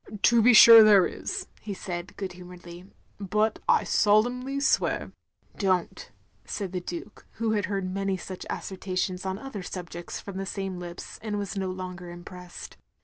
" To be sure there is, " he said, good humouredly . "But I solemnly swear —"" Don't, " said the Duke, who had heard many such asseverations on other subjects from the same lips, and was no longer impressed.